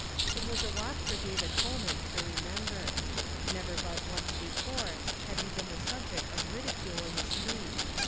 It was a walk for David Holman to remem ber. Never but once before had he been the subject of ridicule on the street.